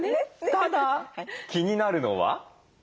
ただ気になるのは？